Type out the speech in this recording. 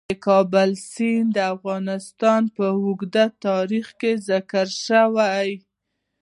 د کابل سیند د افغانستان په اوږده تاریخ کې ذکر شوی.